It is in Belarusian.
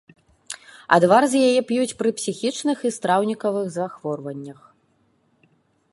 Адвар з яе п'юць пры псіхічных і страўнікавых захворваннях.